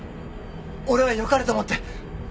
俺はよかれと思って。